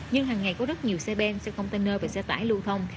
nhưng hàng ngày có rất nhiều xe ben xe container và xe tải lưu thông